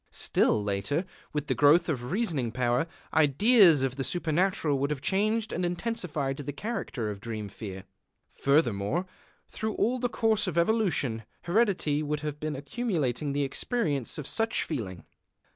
Still later, with the growth of reasoning power, ideas of the supernatural would have changed and intensified the character of dream fear. Furthermore, through all the course of evolution, heredity would have been accumulating the experience of such feeling.